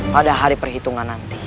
pada hari perhitungan nanti